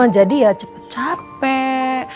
jadi ya cepet capek